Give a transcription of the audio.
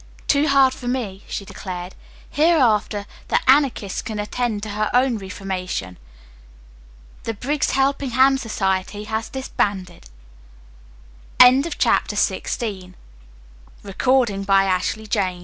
"Too hard for me," she declared. "Hereafter, the Anarchist can attend to her own reformation. The Briggs Helping Hand Society has disbanded." CHAPTER XVII MAKING OTHER GIRLS HAPPY The Thanks